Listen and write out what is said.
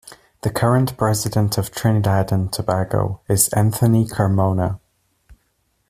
The current President of Trinidad and Tobago is Anthony Carmona.